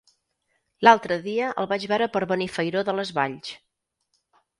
L'altre dia el vaig veure per Benifairó de les Valls.